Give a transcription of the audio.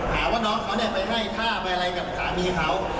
หาว่าน้องเขาเนี่ยไปให้ท่าไปอะไรกับสามีเขา